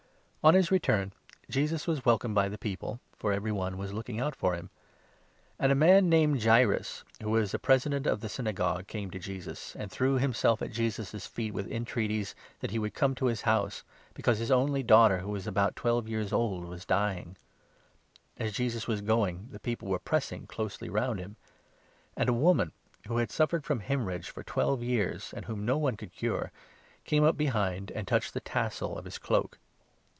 On his return, Jesus was welcomed by the people ; 40 Thof*the'ne for every one was looking out for him. And 41 Daughter of a man named Jaeirus, who was a Presi jaeirus. dent of the Synagogue, came to Jesus, and threw himself at Jesus' feet, with entreaties that he would come to his house, because his only daughter, who was about 42 cure or twelve years old, was dying. _ As Jesus an afflicted was going, the people were pressing closely round woman, him. And a woman, who had suffered from 43 haemorrhage for twelve years, and whom no one could cure, came up behind and touched the tassel of his cloak.